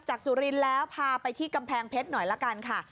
สุรินทร์แล้วพาไปที่กำแพงเพชรหน่อยละกันค่ะ